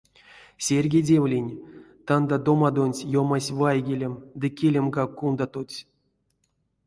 Серьгедевлинь — тандадомадонть ёмась вайгелем ды келемгак кундатотсь.